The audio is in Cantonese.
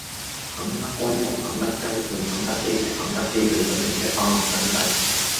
肯德龜同肯德雞去肯德基食肯德基最出名嘅巴辣香雞